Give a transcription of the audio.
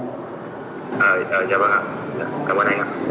dạ vâng ạ cảm ơn anh ạ